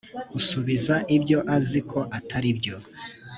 usubiza ibyo azi ko atari byo